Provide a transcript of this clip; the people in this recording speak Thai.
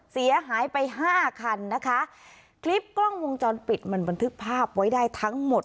เสียหายไปห้าคันนะคะคลิปกล้องวงจรปิดมันบันทึกภาพไว้ได้ทั้งหมด